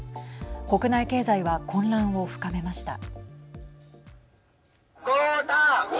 国内経済は混乱を深めました。